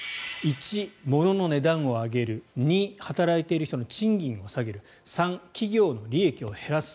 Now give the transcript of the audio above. １、ものの値段を上げる２、働いている人の賃金を下げる３、企業の利益を減らす